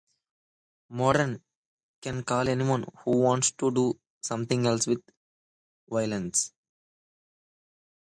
Modern can call anyone who wants to do something else with violence.